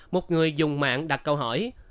một người dùng mạng đặt câu hỏi